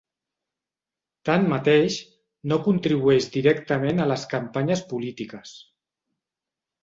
Tanmateix, no contribueix directament a les campanyes polítiques.